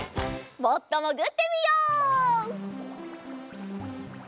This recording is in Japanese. もっともぐってみよう。